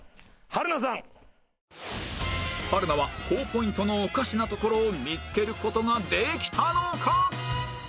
春菜は高ポイントのおかしなところを見つける事ができたのか？